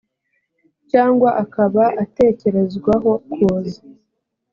cyangwa akaba atekerezwaho kuza